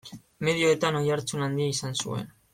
Medioetan oihartzun handia izan zuen.